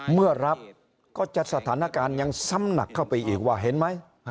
เมื่อรับก็จะสถานการณ์ยังซ้ำหนักเข้าไปอีกว่าเห็นไหม